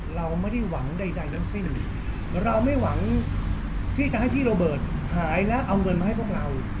เราไม่ได้หวังใดทั้งสิ้นเลยเราไม่หวังที่จะให้พี่โรเบิร์ตหายและเอาเงินมาให้พวกเรา